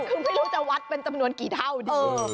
คือไม่รู้จะวัดเป็นจำนวนกี่เท่าดี